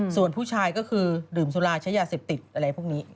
ส่วนผู้ชายก็คือดื่มสุราใช้ยาเสพติดอะไรพวกนี้